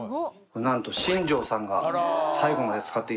なんと新庄さんが。